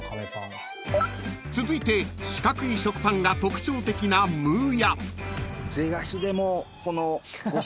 ［続いて四角い食パンが特徴的なむうや］